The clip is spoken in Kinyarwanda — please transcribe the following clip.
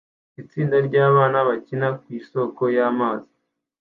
Itsinda ryabana bakina ku isoko y'amazi